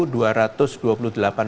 dan telah sebanyak